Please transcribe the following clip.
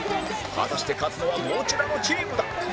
果たして勝つのはどちらのチームだ？